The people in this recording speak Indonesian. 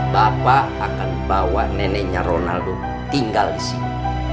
bapak akan bawa neneknya ronaldo tinggal di sini